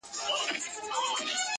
بنگړي نه غواړم.